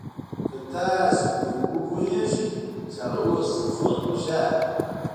که تاسو وپويېګئ چې هغه اوس سومره خوشاله دى.